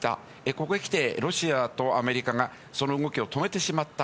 ここへ来て、ロシアとアメリカがその動きを止めてしまった。